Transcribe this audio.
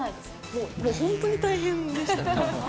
もう、本当に大変でしたね。